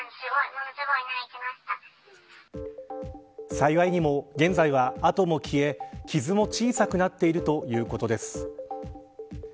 幸いにも現在は、痕も消え傷も小さくなっているということです。